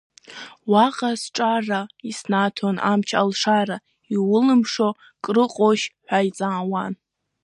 Уаҟа сҿара иснаҭон амч-алшара, иулымшо крыҟоушь ҳәа иҵаауан.